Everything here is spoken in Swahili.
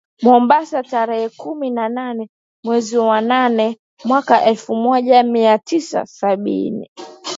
Mombasa tarehe kumi na nane mwezi wa nane mwaka elfu moja mia tisa sabini